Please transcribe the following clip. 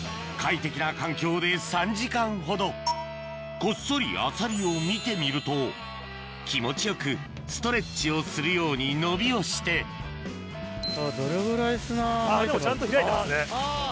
快適な環境で３時間ほどこっそりアサリを見てみると気持ちよくストレッチをするように伸びをしてでもちゃんと開いてますね